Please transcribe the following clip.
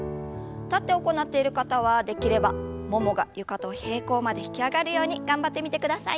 立って行っている方はできればももが床と平行まで引き上がるように頑張ってみてください。